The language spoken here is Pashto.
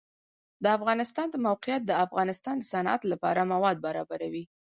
د افغانستان د موقعیت د افغانستان د صنعت لپاره مواد برابروي.